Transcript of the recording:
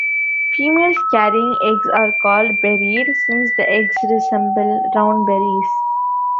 Females carrying eggs are called "berried" since the eggs resemble round berries.